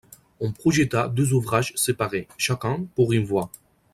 On projeta deux ouvrages séparés, chacun pour une voie.